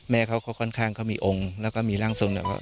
แม่เขาเขาค่อนข้างเขามีองแล้วก็มีร่างทรง